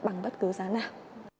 bằng bất cứ giá nào